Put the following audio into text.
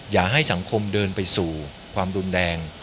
อย่าให้สังคมเดินไปสู่ความรุนแรง